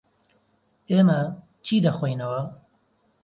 ئێمە چی دەخۆینەوە؟